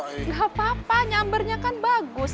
tidak apa apa nyambernya kan bagus